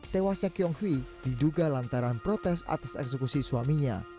tewasnya kyung hui diduga lantaran protes atas eksekusi suaminya